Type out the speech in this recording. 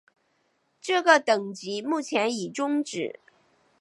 这个等级目前已终止。